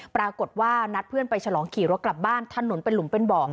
ปรากฏว่านัดเพื่อนไปฉลองขี่รถกลับบ้านถนนเป็นหลุมเป็นบ่อ